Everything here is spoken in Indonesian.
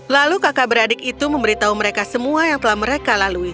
lalu kakak beradik itu memberitahu mereka semua yang telah mereka lalui